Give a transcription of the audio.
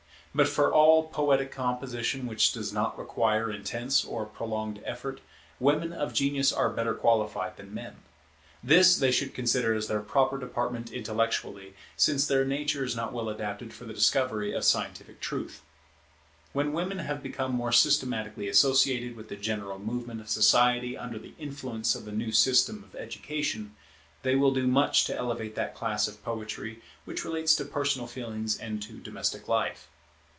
But for all poetic composition which does not require intense or prolonged effort, women of genius are better qualified than men. This they should consider as their proper department intellectually, since their nature is not well adapted for the discovery of scientific truth. When women have become more systematically associated with the general movement of society under the influence of the new system of education, they will do much to elevate that class of poetry which relates to personal feelings and to domestic life.